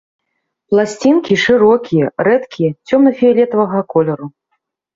Пласцінкі, шырокія, рэдкія, цёмна-фіялетавага колеру.